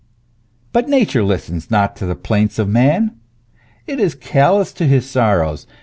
But nature listens not to the plaints of man, it is callous to his sorrows.